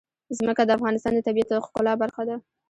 ځمکه د افغانستان د طبیعت د ښکلا برخه ده.